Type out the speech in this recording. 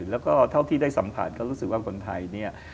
แล้วก็เท่าที่ได้สัมผัสก็รู้สึกว่าคนไทยเนี่ย